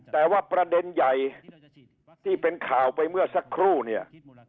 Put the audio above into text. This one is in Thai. แต่ว่าประเด็นใหญ่ที่เป็นข่าวไปเมื่อสักครู่เนี่ย